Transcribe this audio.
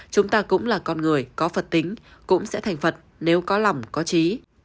chúng ta cũng là con người có phật tính cũng sẽ thành phật nếu có lòng có trí